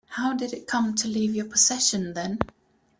How did it come to leave your possession then?